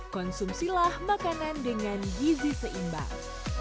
konsumsilah makanan dengan gizi seimbang